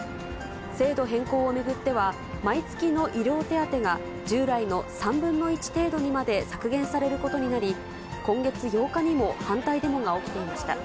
制度変更を巡っては、毎月の医療手当が、従来の３分の１程度にまで削減されることになり、今月８日にも反対デモが起きていました。